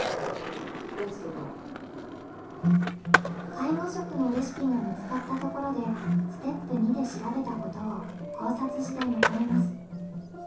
介護食のレシピが見つかったところでステップ２で調べたことを考察してまとめます。